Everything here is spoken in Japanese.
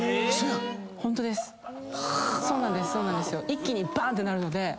一気にばーんってなるので。